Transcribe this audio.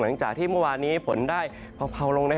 หลังจากที่เมื่อวานนี้ฝนได้เผาลง